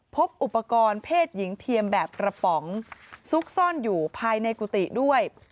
พบอุปกรณ์เพศหญิงเทียมแบบกระป๋องซุกซ่อนอยู่ภายในกุฏิด้วย